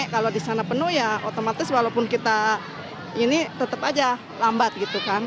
kalau di sana penuh ya otomatis walaupun kita ini tetap aja lambat gitu kan